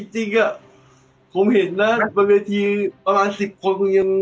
จริงอะผมเห็นนะประเภทที่ประมาณ๑๐คน